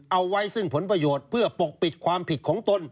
เอาไว้ซึ่งผลประโยชน์เพื่อปกปิดความผิดของตน